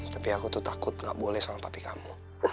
tapi aku tuh takut gak boleh sama tapi kamu